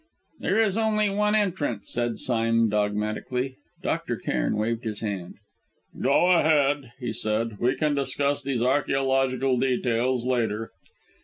"There is only one entrance," said Sime dogmatically. Dr. Cairn waved his hand. "Go ahead," he said. "We can discuss these archæological details later."